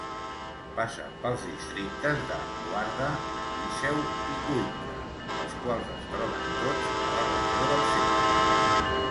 Passa pels districtes de Guarda, Viseu i Coimbra, els quals es troben tots a la Regió del Centre.